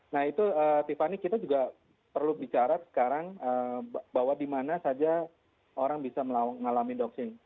nah itu tiffany kita juga perlu bicara sekarang bahwa di mana saja orang bisa mengalami doxing